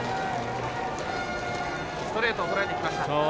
ストレートを捉えてきました。